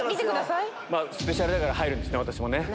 スペシャルだから入るんですね。